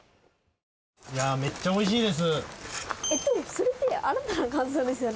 めっちゃおいしいです。